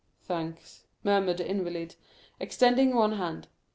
"Thanks," murmured the invalid, extending one hand.